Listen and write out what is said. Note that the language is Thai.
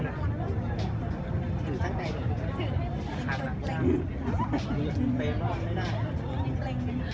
แม่กับผู้วิทยาลัย